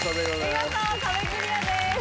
見事壁クリアです。